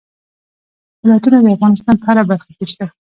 ولایتونه د افغانستان په هره برخه کې شته.